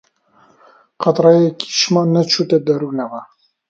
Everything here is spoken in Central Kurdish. قەترەیەکیشمان نەچۆتە دەروونەوە